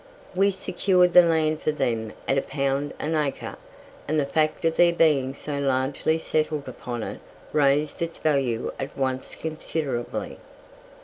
We secured the land for them at a pound an acre, and the fact of their being so largely settled upon it raised its value at once considerably.